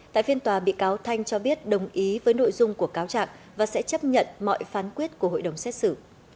tại phiên tòa bị cáo thanh cho biết đồng ý với nội dung của cáo trạng và sẽ chấp nhận mọi phán quyết của hội đồng xét xử